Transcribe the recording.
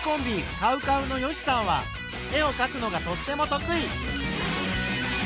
ＣＯＷＣＯＷの善しさんは絵をかくのがとっても得意。